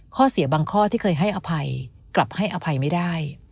ข้อเสียบางข้อที่เคยให้อภัยกลับให้อภัยไม่ได้